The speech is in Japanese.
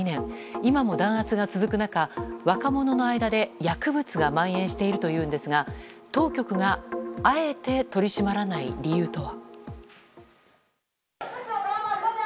今も弾圧が続く中、若者の間で薬物が蔓延しているというのですが当局があえて取り締まらない理由とは。